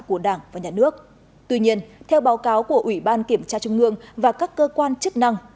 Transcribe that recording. của đảng và nhà nước tuy nhiên theo báo cáo của ủy ban kiểm tra trung ương và các cơ quan chức năng